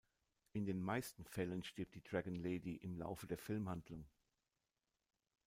In den meisten Fällen stirbt die "Dragon Lady" im Laufe der Filmhandlung.